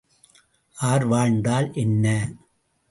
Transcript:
R வாழ்ந்தால் என்ன?